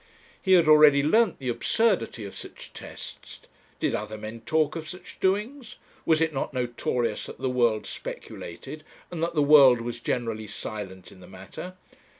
He had already learnt the absurdity of such tests. Did other men talk of such doings? Was it not notorious that the world speculated, and that the world was generally silent in the matter?